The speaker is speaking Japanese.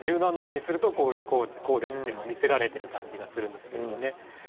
１７音にするとこうですっていうのを見せられてる感じがするんですけれどね。